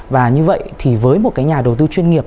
và như vậy thì với một cái nhà đầu tư chuyên nghiệp